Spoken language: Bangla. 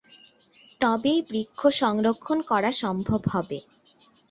তবেই বৃক্ষ সংরক্ষণ করা সম্ভব হবে।